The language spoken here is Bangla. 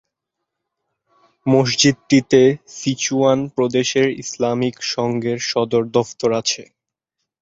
মসজিদটিতে সিচুয়ান প্রদেশের ইসলামিক সংঘের সদর দফতর আছে।